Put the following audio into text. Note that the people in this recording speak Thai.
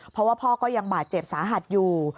เพราะว่าพ่อก็ยังบาดเจ็บสาหัสอยู่